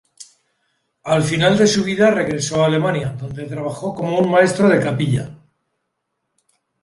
Al final de su vida regresó a Alemania, donde trabajó como maestro de capilla.